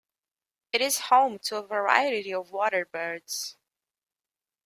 It is home to a variety of water birds.